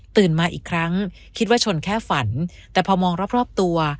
มาอีกครั้งคิดว่าชนแค่ฝันแต่พอมองรอบตัว